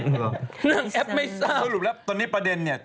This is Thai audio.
นางแอปไม่ทราบสรุปแล้วตอนนี้ประเด็นเนี่ย